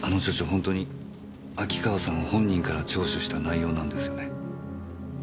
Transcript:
本当に秋川さん本人から聴取した内容なんですよね？